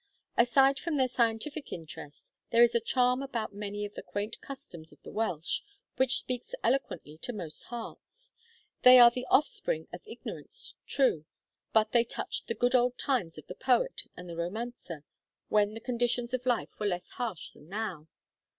Aside from their scientific interest, there is a charm about many of the quaint customs of the Welsh, which speaks eloquently to most hearts. They are the offspring of ignorance, true, but they touch the 'good old times' of the poet and the romancer, when the conditions of life were less harsh than now.